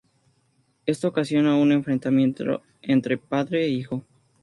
Esto ocasiona un enfrentamiento entre padre e hijo.